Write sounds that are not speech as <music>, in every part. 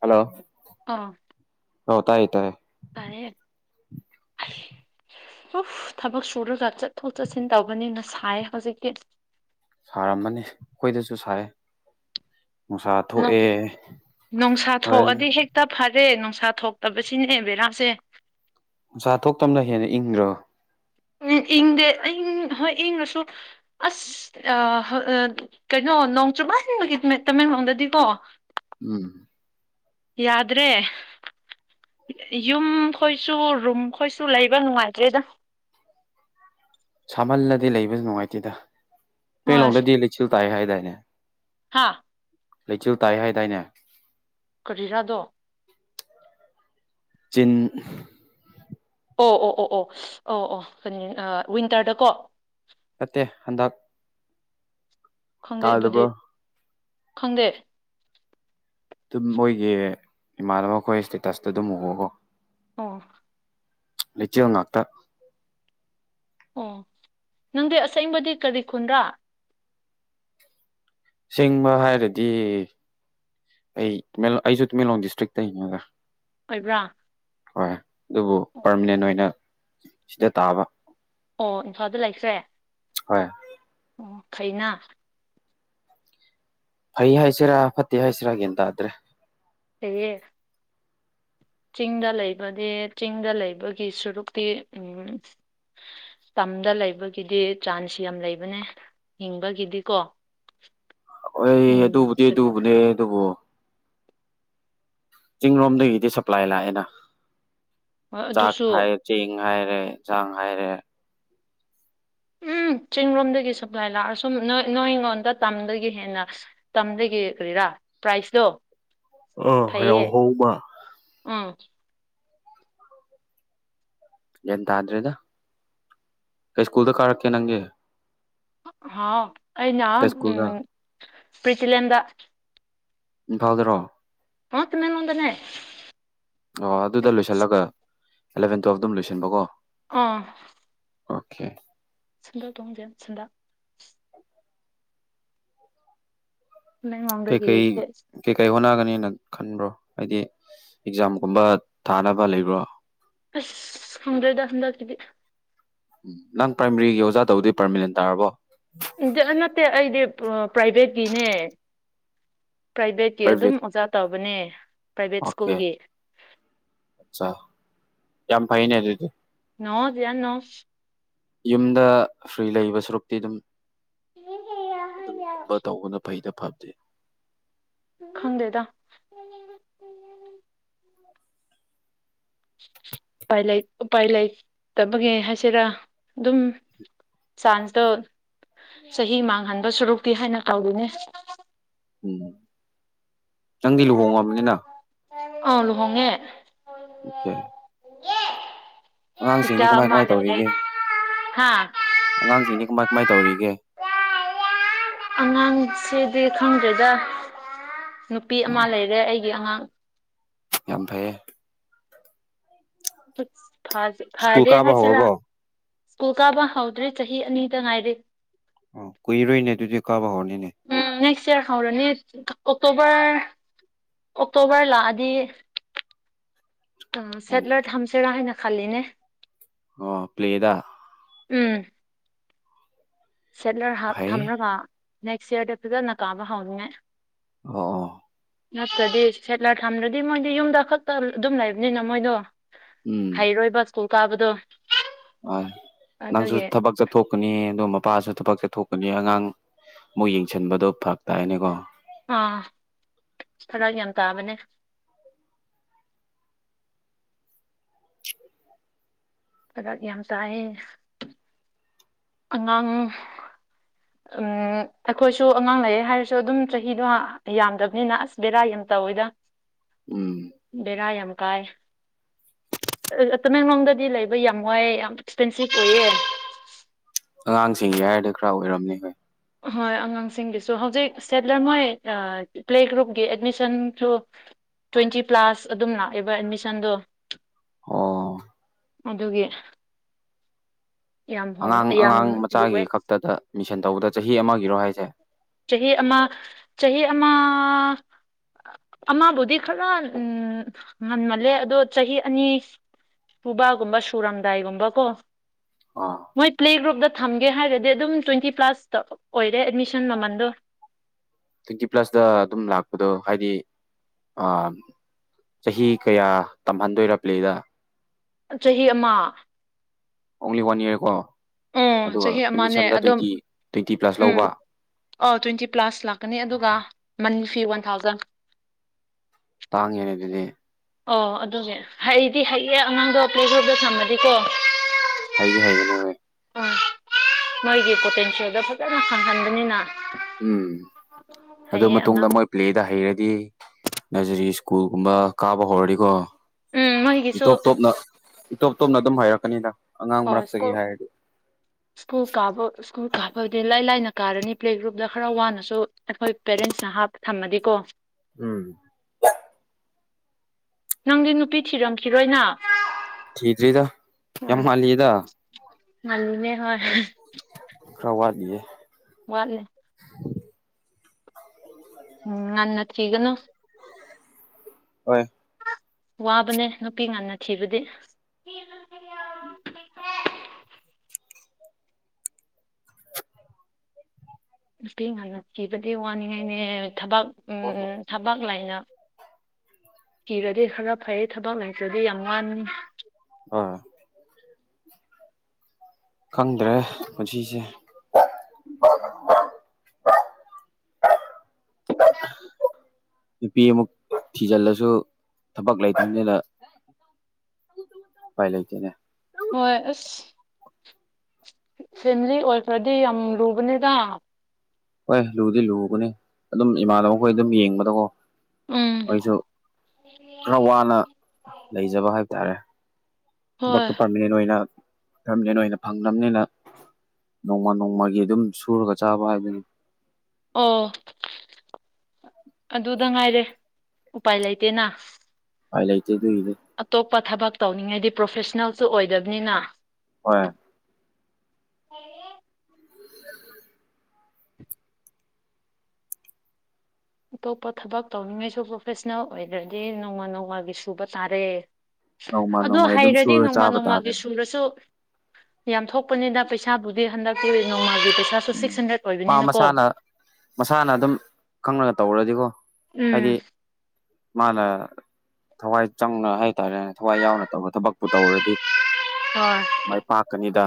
hello ꯑ ꯑꯧ ꯇꯥꯏꯌꯦ ꯇꯥꯏꯌꯦ ꯇꯥꯔꯦ ꯍꯁ ꯑꯣꯐ ꯊꯕꯛ ꯁꯨꯔꯒ ꯆꯠꯊꯣꯛ ꯆꯠꯁꯤꯟ ꯇꯧꯕꯅꯤꯅ ꯁꯥꯏ ꯍꯧꯖꯤꯛꯇꯤ ꯁꯥꯔꯝꯃꯅꯤ ꯑꯩꯈꯣꯏꯗꯁꯨ ꯁꯥꯏꯌꯦ ꯅꯨꯡꯁꯥ ꯍꯣꯔꯦꯟ ꯊꯣꯛꯑꯗꯤ ꯍꯦꯛꯇ ꯐ ꯐꯔꯦ ꯅꯨꯡꯁꯥ ꯊꯣꯛꯇꯕꯁꯤꯅꯦ ꯕꯦꯔꯥꯁꯦ ꯅꯨꯁꯥ ꯊꯣꯛꯇꯝꯅ ꯍꯦꯟꯅ ꯏꯪꯗ꯭ꯔꯣ <inaudible> ꯏꯪꯗꯦ ꯏꯪ ꯍꯣꯏ ꯏꯪꯉꯁꯨ ꯑꯁ ꯑ ꯀꯩꯅꯣ ꯅꯣꯡꯆꯨ ꯃꯟꯕꯒꯤꯕꯅꯦ ꯇꯃꯦꯡꯂꯣꯡꯗꯗꯤ ꯀꯣ ꯎꯝ ꯌꯥꯗ꯭ꯔꯦ ꯌꯨꯝ ꯈꯣꯏꯁꯨ ꯔꯨꯝ ꯈꯣꯏꯁꯨ ꯂꯩꯕ ꯅꯨꯡꯉꯥꯏꯇ꯭ꯔꯦꯗ <inaudible> ꯁꯥꯃꯜꯂꯗꯤ ꯂꯩꯕꯗ ꯅꯨꯡꯉꯥꯏꯇꯦꯗ ꯇꯃꯦꯡꯂꯣꯡꯗꯗꯤ ꯂꯩꯁꯤꯜ ꯇꯥꯏ ꯍꯥꯏꯗꯥꯏꯅꯦ ꯍꯥꯥ ꯂꯩꯆꯜ ꯇꯥꯏ ꯍꯥꯏꯗꯥꯏꯅꯦ ꯀꯔꯤꯔꯥ ꯑꯗꯣ ꯆꯤꯟ ꯑꯣ ꯑꯣ ꯑꯣ ꯑꯣ ꯑꯣ ꯑꯣ ꯀꯔꯤ ꯋꯤꯟꯇꯔꯗꯀꯣ ꯅꯠꯇꯦ ꯍꯟꯗꯛ ꯈꯪꯗꯦ ꯑꯗꯨꯗꯤ ꯇꯥꯗꯕ꯭ꯔꯣ ꯈꯪꯗꯦ ꯑꯗꯨꯝ ꯃꯣꯏꯒꯤ ꯏꯃꯥꯟꯅꯕ ꯈꯣꯏ ꯁ꯭ꯇꯦꯇꯁꯇ ꯑꯗꯨꯝ ꯎꯕꯀꯣ ꯑꯣ ꯂꯩꯆꯤꯜ ꯉꯥꯛꯇ ꯑꯣ ꯅꯪꯗꯤ ꯑꯁꯦꯡꯕꯗꯤ ꯀꯔꯤ ꯈꯨꯟꯗ ꯑꯁꯦꯡꯕ ꯍꯥꯏꯔꯗꯤ ꯑꯩ ꯑꯩꯁꯨ ꯇꯃꯦꯡꯂꯣꯡ ꯗꯤꯁꯇ꯭ꯔꯤꯛ ꯇꯩꯅꯒ ꯑꯣꯏꯕ꯭ꯔ ꯍꯣꯏ ꯑꯗꯨꯕꯨ ꯄꯔꯃꯅꯦꯟ ꯑꯣꯏꯅ ꯁꯤꯗ ꯇꯥꯕ ꯑꯣ ꯏꯝꯐꯥꯗ ꯂꯩꯈ꯭ꯔꯦ ꯍꯣꯏ ꯑꯣ ꯈꯩꯅ ꯐꯩ ꯍꯥꯏꯁꯤꯔꯥ ꯐꯠꯇꯦ ꯍꯥꯏꯁꯤꯔꯥ ꯒ꯭ꯌꯥꯟ ꯇꯥꯗ꯭ꯔꯦ ꯐꯩꯌꯦ ꯆꯤꯡꯗ ꯂꯩꯕꯗꯤ ꯆꯤꯡꯗ ꯂꯩꯕꯒꯤ ꯁꯔꯨꯛꯇꯤ ꯎꯝ ꯇꯝꯗ ꯂꯩꯕꯒꯤꯗꯤ ꯆꯥꯟꯁ ꯌꯥꯝ ꯂꯩꯕꯅꯦ ꯍꯤꯡꯕꯒꯤꯗꯤꯀꯣ <inaudible> ꯎꯝ ꯍꯣꯏ ꯑꯗꯨꯕꯨꯗꯤ ꯀꯔꯤ ꯑꯗꯨꯕꯨꯅꯦ ꯑꯗꯨꯕꯨꯣ ꯆꯤꯡ ꯂꯣꯝꯗꯒꯤꯗꯤ ꯁꯄ꯭ꯂꯥꯏ ꯂꯥꯛꯑꯦꯅ ꯍꯣꯏ ꯆꯥꯛ ꯑꯗꯨꯁꯨ ꯍꯥꯏ ꯆꯦꯡ ꯍꯥꯏꯔꯦ ꯏꯟꯁꯥꯡ ꯍꯥꯏꯔꯦ ꯎꯝ ꯆꯤꯡꯔꯣꯝꯗꯒꯤ ꯁꯄ꯭ꯂꯥꯏ ꯂꯥꯛꯑ ꯁꯨꯝ ꯅ ꯅꯣꯏꯉꯣꯟꯗ ꯇꯝꯗꯒꯤ ꯍꯦꯟꯅ ꯇꯝꯗꯒꯤ ꯀꯔꯤꯔꯥ ꯄ꯭ꯔꯥꯏꯁꯇꯣ ꯑꯣ ꯌ꯭ꯥꯍꯧꯕ ꯎꯝ ꯒꯥꯟ ꯇꯥꯗ꯭ꯔꯦꯗ ꯀꯩ ꯁ꯭ꯀꯨꯜꯗ ꯀꯥꯔꯛꯀꯦ ꯅꯪꯗꯤ ꯍꯥꯎ ꯑꯩꯅ ꯀꯩ ꯎꯝ ꯁ꯭ꯀꯨꯜꯗ ꯄ꯭ꯔꯤꯇꯤꯂꯦꯟꯗ ꯏꯝꯐꯤꯜ ꯗ꯭ꯔꯣ ꯑ ꯇꯃꯦꯡꯂꯣꯡꯗꯅꯦ ꯑꯣ ꯑꯗꯨꯗ ꯂꯣꯏꯁꯤꯜꯂꯒ ꯑꯦꯂꯚꯦꯟ ꯇꯨꯌꯦꯜꯞ ꯑꯗꯨꯝ ꯂꯣꯏꯁꯤꯟꯕ ꯀꯣ ꯑꯥ ꯑꯣꯀꯦ ꯁꯟꯗꯔ ꯇꯣꯡꯖꯦꯟ ꯁꯟꯗ ꯀꯩ ꯇꯃꯦꯡꯂꯣꯡꯗꯒꯤ ꯀꯩ ꯑꯁ ꯀꯩ ꯀꯩ ꯍꯣꯠꯅꯒꯅꯤ ꯅ ꯈꯟꯕ꯭ꯔꯣ ꯍꯥꯏꯗꯤ ꯑꯦꯛꯖꯥꯝꯒꯨꯝꯕ ꯊꯥꯅꯕ ꯂꯩꯕ꯭ꯔꯣ ꯑꯁ ꯈꯪꯗ꯭ꯔꯦꯗ ꯍꯟꯗꯀꯤꯗꯤ ꯎꯝ ꯅꯪ ꯄ꯭ꯔꯥꯏꯃꯔꯤꯒꯤ ꯑꯣꯖꯥ ꯇꯧꯗ ꯄꯔꯃꯤꯅꯦꯟ ꯇꯥꯔꯕꯣ ꯏꯖ ꯅꯠꯇꯦ ꯑꯩꯗꯤ ꯄ꯭ꯔꯥꯏꯚꯦꯠꯀꯤꯅꯦ ꯄ꯭ꯔꯥꯏꯚꯦꯠꯀꯤ ꯑꯗꯨꯝ ꯄ꯭ꯔꯥꯏꯚꯦꯠ ꯑꯣꯖꯥ ꯇꯧꯕꯅꯦ ꯄ꯭ꯔꯥꯏꯚꯦꯠ ꯁ꯭ꯀꯨꯜꯒꯤ ꯑꯆꯥ ꯌꯥꯝꯃ ꯐꯥꯏꯅꯦ ꯑꯗꯨꯗꯤ ꯅ <unintelligible> ꯌꯨꯝꯗ ꯐ꯭ꯔꯤ ꯂꯩꯕ ꯁꯔꯨꯛꯇꯤ ꯑꯗꯨꯝ ꯑꯗꯨꯒꯨꯝꯕ ꯇꯧꯕꯅ ꯐꯩꯗ ꯐꯕꯗꯤ ꯈꯪꯗꯦꯗ ꯎꯄꯥꯏ ꯎꯄꯥꯏ ꯂꯩꯇꯕꯒ ꯍꯥꯏꯁꯤꯔꯥ ꯑꯗꯨꯝ ꯆꯥꯟꯁꯇꯣ ꯆꯍꯤ ꯃꯥꯡꯍꯟꯕ ꯁꯨꯔꯨꯛꯇꯤ ꯍꯥꯏꯅ ꯇꯧꯕꯅꯦ ꯎꯝ ꯅꯪꯗꯤ ꯂꯨꯍꯣꯡꯉꯕꯅꯤꯅ ꯑꯥꯎ ꯂꯨꯍꯣꯡꯉꯦ ꯑꯣꯀꯦ ꯑꯉꯥꯡꯁꯤꯡꯗꯤ ꯏꯆꯥ ꯀꯃꯥꯏ ꯑꯃ ꯀꯃꯥꯏ ꯂꯩꯔꯦ ꯇꯧꯔꯤꯒꯦ ꯍꯥꯥ ꯑꯉꯥꯡꯁꯤꯡꯗꯤ ꯀꯃꯥꯏ ꯀꯃꯥꯏ ꯇꯧꯔꯤꯒꯦ ꯑꯉꯥꯡꯁꯤꯗꯤ ꯈꯪꯗꯦꯗ ꯅꯨꯄꯤ ꯑꯃ ꯎꯝ ꯂꯩꯔꯦ ꯑꯩꯒꯤ ꯑꯉꯥꯡ ꯌꯥꯝ ꯐꯩꯌꯦ ꯐꯥꯖ ꯁ꯭ꯀꯨꯜ ꯐꯥꯖꯦ ꯀꯥꯕ ꯍꯥꯏꯁꯤꯔ ꯍꯧꯔꯕꯣ ꯁ꯭ꯀꯨꯜ ꯀꯥꯕ ꯍꯧꯗ꯭ꯔꯤ ꯆꯍꯤ ꯑꯅꯤꯗ ꯉꯥꯏꯔꯤ ꯑꯣ ꯀꯨꯏꯔꯣꯏꯅꯦ ꯑꯗꯨꯗꯤ ꯀꯥꯕ ꯍꯧꯔꯅꯤꯅꯦ ꯆꯠ ꯍꯧꯔꯅꯤ ꯑꯣꯛꯇꯣꯕꯔ ꯑꯣꯛꯇꯣꯕꯔ ꯂꯥꯛꯑꯗꯤ ꯑ ꯎꯝ ꯁꯦꯇꯂꯥꯏꯠ <unintelligible> ꯍꯝꯁꯤꯔꯥ ꯍꯥꯏꯅ ꯈꯂꯤꯅꯦ ꯑꯣ ꯄ꯭ꯂꯦꯗꯥ ꯎꯝ ꯁꯦꯠꯂꯔ ꯍꯥꯞ ꯐꯩ ꯊꯝꯂꯒ ꯅꯦꯛꯁ ꯌꯥꯔꯗ ꯐꯖꯟꯅ ꯀꯥꯕ ꯍꯥꯎꯅꯤꯡꯉꯥꯏ ꯑꯣ ꯅꯠꯇ꯭ꯔꯗꯤ ꯁꯦꯠꯂꯔ ꯊꯝꯗꯗꯤ ꯃꯣꯏꯗꯤ ꯌꯨꯝꯗ ꯈꯛꯇ ꯑꯗꯨꯝ ꯂꯩꯕꯅꯤꯅ ꯃꯣꯏꯗꯣ ꯍꯩꯔꯣꯏꯕ ꯁ꯭ꯀꯨꯜ ꯀꯥꯕꯗꯣ ꯍꯣꯏ ꯅꯪꯁꯨ ꯑꯗꯨꯒꯤ ꯊꯕꯛ ꯆꯠꯊꯣꯛꯀꯅꯤ ꯑꯗꯨ ꯄꯥꯁꯨ ꯊꯕꯛ ꯆꯠꯊꯣꯛꯀꯅꯤ ꯑꯉꯥꯡ ꯃꯨꯛ ꯌꯦꯡꯁꯤꯟꯕꯗꯣ ꯐꯔꯛ ꯇꯥꯏꯅꯦꯀꯣ ꯑꯥ ꯐꯔꯛ ꯌꯥꯝ ꯇꯥꯕꯅꯦ ꯐꯔꯛ ꯌꯥꯝ ꯆꯥꯏꯌꯦ ꯑꯉꯥꯡ ꯎꯝ ꯑꯩꯈꯣꯏꯁꯨ ꯑꯉꯥꯡ ꯂꯩꯌꯦ ꯍꯥꯏꯔꯁꯨ ꯑꯗꯨꯝ ꯆꯍꯤꯗꯣ ꯌꯥꯝꯗꯝꯅꯤꯅ ꯑꯁ ꯕꯦꯔꯥ ꯌꯥꯝ ꯇꯧꯋꯤꯗ ꯎꯝ ꯕꯦꯔꯥ ꯌꯥꯝ ꯀꯥꯏ ꯇꯃꯦꯡꯂꯣꯡꯗꯗꯤ ꯂꯩꯕ ꯌꯥꯝ ꯋꯥꯏꯑꯦ ꯌꯥꯝ ꯑꯦꯛꯁꯄꯦꯟꯁꯤꯞ ꯑꯣꯏꯌꯦ ꯑꯉꯥꯡꯁꯤꯡ ꯍꯥꯏꯔꯗꯤ ꯈꯔ ꯑꯣꯏꯔꯝꯅꯤ ꯍꯣꯏ ꯍꯣꯏ ꯑꯉꯥꯡꯁꯤꯡꯒꯤꯁꯨ ꯍꯧꯖꯤꯛ ꯁꯦꯠꯂꯔ ꯃꯣꯏ ꯄ꯭ꯂꯦ ꯒ꯭ꯔꯨꯞꯀꯤ ꯑꯦꯗꯃꯤꯁꯟ ꯁꯨ ꯇ꯭ꯋꯦꯟꯇꯤ ꯄ꯭ꯂꯁ ꯑꯗꯨꯝ ꯂꯥꯛꯑꯦꯕ ꯑꯦꯠꯃꯤꯁꯟꯗꯣ ꯑꯣ ꯑꯗꯨꯒꯤ ꯌꯥꯝ ꯍꯣꯡ ꯑꯉꯥꯡ ꯌꯥꯝ ꯑꯉꯥꯡ ꯂꯨꯋꯦ ꯃꯆꯥꯒꯤ ꯈꯛꯇꯗ ꯃꯤꯁꯟ ꯇꯧꯕꯗ ꯆꯍꯤ ꯑꯃꯒꯤꯔꯣ ꯍꯥꯏꯁꯦ ꯆꯍꯤ ꯑꯃ ꯆꯍꯤ ꯑꯃ ꯑꯃꯕꯨꯗꯤ ꯈꯔ ꯉꯟꯃꯜꯂꯦ ꯑꯗꯣ ꯆꯍꯤ ꯑꯅꯤ ꯁꯨꯕꯒꯨꯝꯕ ꯁꯨꯔꯝꯗꯥꯏꯒꯨꯝꯕꯀꯣ ꯑꯥ ꯃꯣꯏ ꯄ꯭ꯂꯦ ꯒ꯭ꯔꯨꯞꯇ ꯊꯝꯒꯦ ꯍꯥꯏꯔꯗꯤ ꯑꯗꯨꯝ ꯇ꯭ꯋꯦꯟꯇꯤ ꯄ꯭ꯂꯁꯇ ꯑꯣꯏꯔꯦ ꯑꯦꯠꯃꯤꯁꯟ ꯃꯃꯜ ꯗꯣ ꯇ꯭ꯋꯦꯟꯇꯤ ꯄ꯭ꯂꯁꯇ ꯑꯗꯨꯝ ꯂꯥꯛꯄꯗꯣ ꯍꯥꯏꯗꯤ ꯑ ꯆꯍꯤ ꯀꯌꯥ ꯇꯝꯍꯟꯗꯣꯏꯔ ꯄ꯭ꯂꯦꯗ ꯆꯍꯤ ꯑꯃ ꯑꯣꯡꯂꯤ ꯋꯥꯟ ꯏꯌꯔ ꯀꯣ ꯎꯝ ꯆꯍꯤ ꯑꯃꯅꯦ ꯑꯗꯨꯝ ꯇ꯭ꯋꯦꯟꯇꯤ ꯄ꯭ꯂꯁ ꯎꯝ ꯂꯧꯕ ꯑꯣ ꯇ꯭ꯋꯦꯟꯇꯤ ꯄ꯭ꯂꯁ ꯂꯥꯛꯀꯅꯤ ꯑꯗꯨꯒ ꯃꯟ ꯐꯤ ꯋꯥꯟ ꯊꯥꯎꯖꯟ ꯇꯥꯡꯉꯦꯅꯦ ꯑꯗꯨꯗꯤ ꯑꯣ ꯑꯗꯨꯅꯦ ꯍꯩꯗꯤ ꯍꯩꯌꯦ ꯑꯉꯥꯡꯗꯣ ꯄ꯭ꯂꯦꯒ꯭ꯨꯔꯞꯗ <inaudible> ꯊꯝꯃꯗꯤꯀꯣ ꯍꯩꯗꯤ ꯍꯩꯒꯅꯦ ꯍꯣꯏ ꯃꯣꯏꯒꯤ ꯄꯣꯇꯦꯟꯁꯤꯌꯦꯜꯗꯣ <inaudible> ꯐꯖꯅ ꯈꯪꯍꯟꯕꯅꯤꯅ ꯎꯝ ꯑꯗꯨ ꯃꯇꯨꯡꯗ ꯑꯉꯥꯡ ꯃꯣꯏ ꯄ꯭ꯂꯦꯗ ꯍꯩꯔꯗꯤ ꯅꯔꯖꯔꯤ ꯀꯨꯜꯒꯨꯝꯕ ꯀꯥꯕ ꯍꯧꯔꯗꯤꯀꯣ ꯎꯝ ꯃꯣꯏꯒꯤꯁꯨ ꯇꯣꯞ ꯇꯣꯞꯅ ꯑꯗꯨꯝ ꯍꯩꯔꯛꯀꯅꯤꯗ ꯑꯉꯥꯡ ꯑꯣ ꯃꯔꯛꯇꯒꯤ ꯁ꯭ꯀꯨꯜ ꯍꯥꯏꯔꯗꯤ ꯁ꯭ꯀꯨꯜ ꯀꯥꯕ ꯁ꯭ꯀꯨꯜ ꯀꯥꯞꯕꯩꯗꯤ ꯏꯂꯥꯏ ꯂꯥꯏꯅ ꯀꯥꯔꯅꯤ ꯄ꯭ꯂꯦ ꯒ꯭ꯔꯨꯞꯇ ꯈꯔ ꯋꯥꯔꯁꯨ ꯑꯩꯈꯣꯏ ꯄꯦꯔꯦꯟꯁꯅ ꯍꯥ ꯊꯝꯃꯗꯤꯀꯣ ꯎꯝ ꯅꯪꯗꯤ ꯅꯨꯄꯤ ꯊꯤꯔꯝꯈꯤꯔꯣꯏꯅ ꯊꯤꯗ꯭ꯔꯤꯗ ꯌꯥꯝ ꯎꯝ ꯉꯜꯂꯤꯗ ꯉꯜꯂꯤꯅꯦ ꯍꯣꯏ ꯈ꯭ꯔ ꯋꯥꯠꯂꯤꯌꯦ ꯋꯥꯠꯂꯤ ꯎꯝ ꯉꯟꯅ ꯊꯤꯒꯅꯣ ꯍꯣꯏ ꯋꯥꯕꯅꯦ ꯅꯨꯄꯤ ꯉꯟꯅ ꯊꯤꯕꯗꯤ <inaudible> <inaudible> ꯅꯨꯄꯤ ꯉꯟꯅ ꯊꯤꯕꯗꯤ ꯋꯥꯅꯤꯡꯉꯥꯏꯅꯦ ꯊꯕꯛ ꯎꯝ ꯊꯕꯛ ꯂꯩꯅ ꯀꯤꯔꯗꯤ ꯈꯔ ꯐꯩ ꯊꯕꯛ ꯂꯩꯥꯇ꯭ꯔꯗꯤ ꯌꯥꯝ ꯋꯥꯅꯤ ꯑꯥ ꯈꯪꯗ꯭ꯔꯦ ꯄꯨꯟꯁꯤꯁꯦ <inaudible> ꯅꯨꯄꯤ ꯑꯃꯨꯛ ꯊꯤꯖꯜꯂꯁꯨ ꯊꯕꯛ ꯂꯩꯇ꯭ꯔꯤꯝꯅꯤꯅ ꯎꯄꯥꯏ ꯂꯩꯇꯦꯅꯦ ꯍꯣꯏ ꯑꯁ ꯐꯦꯃꯤꯂꯤ ꯑꯣꯏꯈ꯭ꯔꯗꯤ ꯌꯥꯝ ꯂꯨꯕꯅꯤꯗ ꯍꯣꯏ ꯂꯨꯗꯤ ꯂꯨꯒꯅꯤ ꯑꯗꯨꯝ ꯏꯃꯥꯟꯅꯕꯈꯣꯏ ꯑꯗꯨꯝ ꯌꯦꯡꯕꯗꯀꯣ ꯎꯝ ꯑꯩꯁꯨ ꯈꯔ ꯋꯥꯅ ꯂꯩꯖꯕ ꯍꯥꯏꯕ ꯇꯥꯔꯦ ꯍꯣꯏ ꯊꯕꯛꯇꯣ ꯄꯥꯔꯃꯤꯅꯦꯟ ꯑꯣꯏꯅ ꯄꯔꯃꯤꯅꯦꯟ ꯑꯣꯏꯅ ꯐꯪꯗꯕꯅꯤꯅ ꯅꯣꯡꯃ ꯅꯣꯡꯃꯒꯤ ꯑꯗꯨꯝ ꯁꯨꯔꯒ ꯆꯥꯕ ꯍꯥꯏꯕꯅꯤ ꯑꯣ ꯑꯗꯨꯗ ꯉꯥꯏꯔꯦ ꯎꯄꯥꯏ ꯂꯩꯇꯦꯅ ꯥꯎꯀꯥꯐ ꯂꯩꯇꯦ ꯑꯗꯨꯒꯤꯅꯦ ꯑꯇꯣꯞꯄ ꯊꯕꯛ ꯇꯧꯅꯤꯡꯉꯩꯗꯤ ꯄ꯭ꯔꯣꯐꯦꯁꯅꯦꯜꯁꯨ ꯑꯣꯏꯗꯕꯅꯤꯅ ꯍꯣꯏ <unintelligible> ꯑꯇꯣꯞꯄ ꯊꯕꯛ ꯇꯧꯅꯤꯡꯉꯩꯁꯨ ꯄ꯭ꯔꯣꯐꯦꯁꯅꯦꯜ ꯑꯣꯏꯗ꯭ꯔꯗꯤ ꯅꯣꯡꯃ ꯅꯣꯡꯃꯥꯒꯤ ꯁꯨꯕ ꯇꯔꯦ ꯅꯣꯡꯃ ꯑꯗꯣ ꯅꯣꯡꯃꯒꯤ ꯑꯗꯨꯝ ꯍꯩꯔꯗꯤ ꯁꯨꯔ ꯅꯣꯡꯃꯥ ꯆꯥꯕ ꯅꯣꯡꯃꯥꯜꯒꯤ ꯇꯥꯔꯦꯅꯦ ꯁꯨꯔꯁꯨ ꯌꯥꯝ ꯊꯣꯛꯄꯅꯤꯗ ꯄꯩꯁꯥꯕꯨꯗꯤ ꯍꯟꯗꯛꯇꯤ ꯃꯒꯤ ꯄꯩꯁꯥꯁꯨ ꯎꯝ ꯁꯤꯛꯁ ꯍꯟꯗ꯭ꯔꯦꯠ ꯃꯥ ꯑꯣꯏꯕꯅꯤꯅꯀꯣ ꯃꯁꯥꯅ ꯃꯁꯥꯅ ꯑꯗꯨꯝ ꯈꯪꯅꯒ ꯇꯧꯔꯗꯤꯀꯣ ꯍꯥꯏꯗꯤ ꯎꯝ ꯃꯥꯅ ꯊꯋꯥꯏ ꯆꯪꯅ ꯍꯥꯏ ꯇꯔꯦꯅ ꯊꯋꯥꯏ ꯌꯥꯎꯅ ꯇꯧꯔꯦ ꯊꯕꯛꯄꯨ ꯇꯧꯔꯗꯤ ꯍꯣꯏ ꯃꯥꯏ ꯄꯥꯛꯀꯅꯤꯗ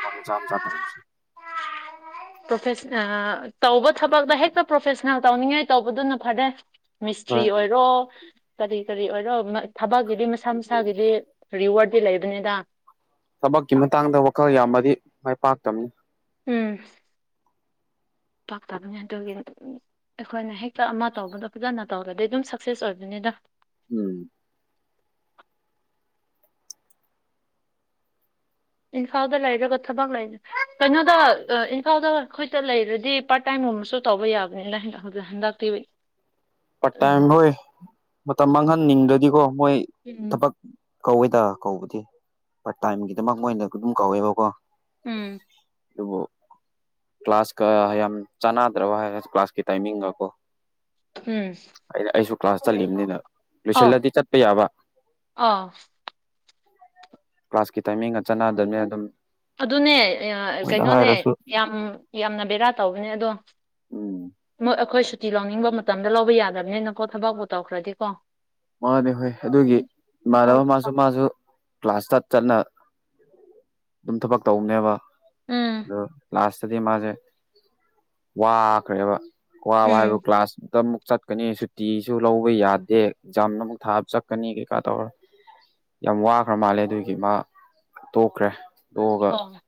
ꯍꯥꯎ ꯃꯖꯥ ꯃꯇꯜ ꯑꯃ ꯆꯗ <unintelligible> ꯄ꯭ꯔꯣꯐꯁ ꯑ ꯇꯧꯕ ꯊꯕꯛꯇ ꯍꯦꯛꯇ ꯄ꯭ꯔꯣꯐꯦꯁꯅꯦꯜ ꯇꯧꯅꯤꯡꯉꯥꯏ ꯇꯧꯕꯗꯨꯅ ꯐꯔꯦ ꯍꯣꯏ ꯃꯤꯁꯇ꯭ꯔꯤ ꯑꯣꯏꯔꯣ ꯀꯔꯤ ꯀꯔꯤ ꯑꯣꯏꯔꯣ ꯊꯕꯛꯀꯤꯗꯤ ꯃꯁꯥ ꯃꯁꯥꯒꯤꯗꯤ ꯔꯤꯋꯥꯔꯗꯤ ꯂꯩꯕꯅꯤꯗ ꯊꯕꯛꯀꯤ ꯃꯇꯥꯡꯗ ꯋꯥꯈꯜ ꯌꯥꯝꯕꯗꯤ ꯃꯥꯏ ꯄꯥꯛꯇꯕꯅꯤ ꯎꯝ ꯄꯛꯇꯕꯅꯦ ꯑꯗꯨꯒꯤ ꯑꯩꯈꯣꯏꯅ ꯍꯦꯛꯇ ꯑꯃ ꯇꯧꯕꯗꯣ ꯐꯖꯅ ꯇꯧꯔꯗꯤ ꯑꯗꯨꯝ ꯁꯛꯁꯦꯁ ꯑꯣꯏꯕꯅꯤꯗ ꯎꯝ ꯏꯝꯐꯥꯜꯗ ꯂꯩꯔꯒ ꯊꯕꯛ ꯂꯩꯅꯤ ꯀꯩꯅꯣꯗ ꯏꯝꯐꯥꯜꯗ ꯑꯩꯈꯣꯏꯇ ꯂꯩꯔꯗꯤ ꯄꯥꯔꯠ ꯇꯥꯏꯝ ꯨ ꯇꯧꯕ ꯌꯥꯕꯅꯤꯗ ꯍꯟ ꯍꯟꯗꯛ ꯇꯤ ꯄꯠꯇꯥꯏꯝ ꯍꯣꯏ ꯃꯇꯝ ꯃꯥꯡꯍꯟꯅꯤꯡꯗ꯭ꯔꯗꯤꯀꯣ ꯃꯣꯏ ꯎꯝ ꯊꯕꯛ ꯀꯧꯋꯦꯗ ꯀꯧꯕꯗꯤ ꯄꯠꯇꯥꯏꯝꯒꯤꯗꯃꯛ ꯃꯣꯏꯅ ꯑꯗꯨꯝ ꯀꯧꯋꯦꯕꯀꯣ ꯎꯝ ꯑꯗꯨꯕꯨ ꯀ꯭ꯂꯥꯁꯀ ꯌꯥꯝ ꯆꯥꯟꯅꯗ꯭ꯔꯕ ꯍꯥꯏꯦ ꯀ꯭ꯂꯥꯁꯀꯤ ꯇꯥꯏꯃꯤꯡꯒ ꯀꯣ ꯑꯩꯅ ꯑꯩꯁꯨ ꯀ꯭ꯂꯥꯁ ꯆꯠꯂꯤꯕꯅꯤꯅ ꯑꯧ ꯂꯣꯏꯁꯤꯜꯂꯗꯤ ꯆꯠꯄ ꯌꯥꯕ ꯑꯥ ꯀ꯭ꯂꯥꯁꯀꯤ ꯇꯥꯏꯃꯤꯡꯒ ꯆꯥꯟꯅꯗꯕꯅꯦ ꯑꯗꯨꯝ ꯑꯗꯨꯅꯦ ꯃꯣꯏꯗ ꯀꯩꯅꯣꯅꯦ ꯍꯥꯏꯔꯁꯨ ꯌꯥꯝ ꯌꯥꯝꯅ ꯕꯦꯔꯥ ꯇꯧꯕꯅꯦ ꯑꯗꯣ ꯎꯝ ꯃꯣꯏ ꯑꯩꯈꯣꯏ ꯁꯨꯇꯤ ꯂꯧꯅꯤꯡꯕ ꯃꯇꯝꯗ ꯂꯧꯕ ꯌꯥꯗꯕꯅꯤꯅꯀꯣ ꯊꯕꯛꯄꯨ ꯇꯧꯈ꯭ꯔꯗꯤꯀꯣ ꯃꯥꯅꯦ ꯍꯣꯏ ꯑꯗꯨꯒꯤ ꯏꯃꯥꯟꯅꯕ ꯑꯄꯥꯎꯗ ꯃꯥꯁꯨ ꯃꯥꯁꯨ ꯀ꯭ꯂꯥꯁ ꯆꯠ ꯆꯠꯅ ꯑꯗꯨꯝ ꯊꯕꯛ ꯇꯧꯕꯅꯦꯕ ꯎꯝ ꯑꯗꯣ ꯀ꯭ꯂꯥꯁ ꯇꯗꯤ ꯃꯥꯁꯦ ꯋꯥꯈ꯭ꯔꯦꯕ ꯋꯥꯕ ꯍꯥꯏꯕ ꯎꯝ ꯀ꯭ꯂꯥꯁꯇ ꯑꯃꯨꯛ ꯆꯠꯀꯅꯤ ꯁꯨꯇꯤꯁꯨ ꯂꯧꯕ ꯌꯥꯗꯦ ꯑꯦꯛꯖꯥꯝ ꯑꯃꯨꯛ ꯊꯥꯕ ꯆꯠꯀꯅꯤ ꯀꯩꯀꯥ ꯇꯧꯔ ꯌꯥꯝ ꯋꯥꯈ꯭ꯔ ꯃꯥꯜꯂꯦ ꯑꯗꯨꯒꯤ ꯃꯥ ꯇꯣꯛꯈ꯭ꯔꯦ ꯇꯣꯛꯑꯒ ꯑꯣ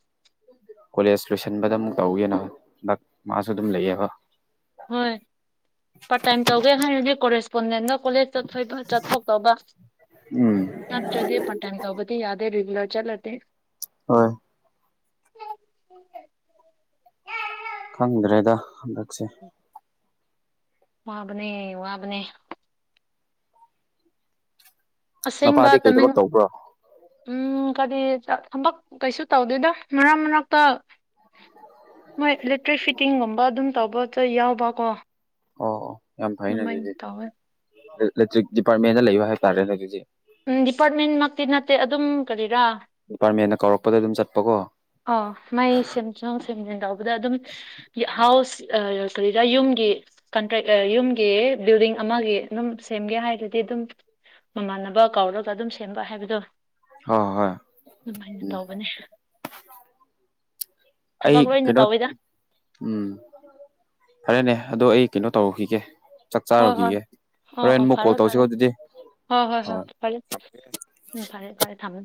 ꯀꯣꯂꯦꯖ ꯂꯣꯏꯁꯤꯟꯕꯗ ꯑꯃꯨꯛ ꯇꯧꯋꯦꯅ ꯍꯟꯗꯛ ꯃꯥꯁꯨ ꯑꯗꯨꯝ ꯂꯩꯑꯦꯕ ꯍꯣꯏ ꯄꯨꯟꯅꯅ ꯀꯣꯂꯦꯖ ꯆꯠꯊ ꯆꯠꯊꯣꯛꯇꯧꯕ ꯎꯝ ꯅꯠꯇ꯭ꯔꯗꯤ ꯄꯥꯔꯠꯇꯥꯏ ꯇꯧꯕꯗꯤ ꯌꯥꯗꯦ ꯂꯔ ꯆꯠꯂꯗꯤ ꯍꯣꯏ <unintelligible> ꯈꯪꯗ꯭ꯔꯦꯗ ꯍꯟꯗꯛꯁꯦ ꯋꯥꯕꯅꯦ ꯋꯥꯕꯅꯦ ꯑꯁꯦꯡꯕ ꯃꯄꯥꯗꯤ ꯀꯩ ꯇꯃꯦꯡ ꯊꯕꯛ ꯇꯧꯕ꯭ꯔꯣ ꯎꯝ ꯀꯔꯤ ꯊꯕꯛ ꯀꯩꯁꯨ ꯇꯧꯗꯦꯗ ꯃꯔꯛ ꯃꯔꯛꯇ ꯃꯣꯏ ꯏꯂꯦꯛꯇ꯭ꯔꯤꯛ ꯐꯤꯠꯇꯤꯡꯒꯨꯝꯕ ꯑꯗꯨꯝ ꯇꯧꯕꯗ ꯌꯥꯎꯕꯀꯣ ꯑꯣ ꯌꯥꯝ ꯐꯩꯅꯦ ꯑꯗꯨꯃꯥꯏꯅ ꯑꯗꯨꯗꯤ ꯇꯧꯋꯦ ꯏꯂꯦꯛꯇ꯭ꯔꯤꯛ ꯗꯤꯄꯥꯔꯠꯃꯦꯟꯗ ꯂꯩꯕ ꯍꯥꯏꯇꯥꯥꯔꯦꯅꯦ ꯑꯗꯨꯗꯤ ꯎꯝ ꯗꯤꯄꯥꯔꯠꯃꯦꯟꯃꯛꯇꯤ ꯅꯠꯇꯦ ꯑꯗꯨꯝ ꯀꯔꯤꯔꯥ ꯗꯤꯄꯥꯔꯠꯃꯦꯟꯅ ꯀꯧꯔꯛꯄꯗ ꯑꯗꯨꯝ ꯆꯠꯄꯀꯣ ꯑ ꯃꯩ ꯁꯦꯝꯖꯣꯡ ꯁꯦꯝꯖꯤꯟ ꯇꯧꯕꯗ ꯑꯗꯨꯝ ꯍꯥꯎꯁ ꯑ ꯀꯔꯤꯔ ꯌꯨꯝꯒꯤ ꯀꯟꯇ꯭ꯔꯦꯛ ꯌꯨꯝꯒꯤ ꯕꯤꯜꯗꯤꯡ ꯑꯃꯒꯤ ꯑꯗꯨꯝ ꯁꯦꯝꯒꯦ ꯍꯥꯏꯔꯗꯤ ꯑꯗꯨꯝ ꯃꯃꯥꯟꯅꯕ ꯀꯧꯔꯒ ꯑꯗꯨꯝ ꯁꯦꯝꯕ ꯍꯥꯏꯕꯗꯣ ꯍꯣꯏ ꯍꯣꯏ ꯑꯗꯨꯃꯥꯏꯅ ꯎꯝ ꯇꯧꯕꯅꯦ ꯑꯩ ꯊꯕꯛ ꯂꯣꯏꯅ ꯀꯩꯅꯣ ꯇꯧꯋꯤꯗ ꯎꯝ ꯐꯔꯦꯅꯦ ꯑꯗꯣ ꯑꯩ ꯀꯩꯅꯣ ꯇꯧꯔꯨꯈꯤꯒꯦ ꯆꯥꯛ ꯍꯣꯏ ꯍꯣꯏ ꯆꯥꯔꯨꯈꯤꯒꯦ ꯑꯣ ꯍꯣꯔꯦꯟ ꯑꯣ ꯑꯃꯨꯛ ꯐꯔꯦ ꯀꯣꯜ ꯇꯧꯁꯤꯀꯣ ꯐꯔꯦ ꯑꯗꯨꯗꯤ ꯍꯣꯏ ꯍꯣꯏ ꯍꯣꯏ ꯐꯔꯦ ꯎꯝ ꯐꯔꯦ ꯐꯔꯦ ꯊꯝꯃꯦ